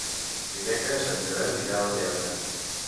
Dimecres en Joel irà al teatre.